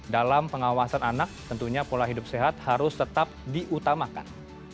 dalam pengawasan anak tentunya pola hidup sehat harus tetap diutamakan